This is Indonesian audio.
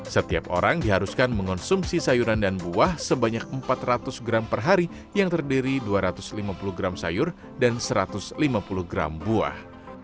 setiap orang diharuskan mengonsumsi sayuran dan buah sebanyak empat ratus gram per hari yang terdiri dua ratus lima puluh gram sayur dan satu ratus lima puluh gram buah